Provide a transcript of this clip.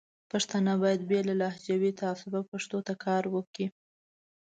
پښتانه باید بې له لهجوي تعصبه پښتو ته کار وکړي.